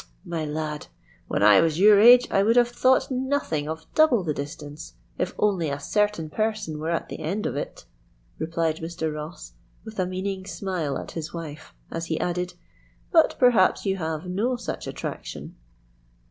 "Tut! my lad, when I was your age I would have thought nothing of double the distance, if only a certain person were at the end of it," replied Mr. Ross, with a meaning smile at his wife as he added, "But perhaps you have no such attraction."